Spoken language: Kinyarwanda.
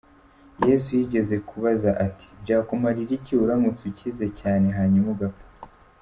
Yesu yigeze kubaza ati:"Byakumarira iki uramutse ukize cyane hanyuma ugapfa?".